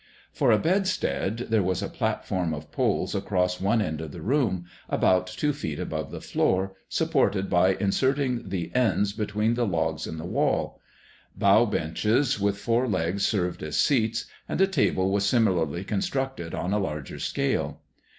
For a bedstead, there was a platform of poles across one end of the room, about two feet above the floor, supported by inserting the ends between the logs in the wall. Bough benches with four legs served as seats, and a table was similarly constructed on a larger scale.